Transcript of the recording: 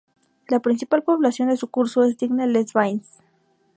La principal población de su curso es Digne-les-Bains.